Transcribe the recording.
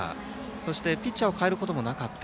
そして、ピッチャーを代えることもなかった。